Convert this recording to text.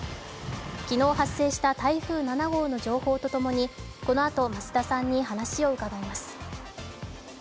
昨日発生した台風７号の情報と共にこのあと増田さんに話を伺います。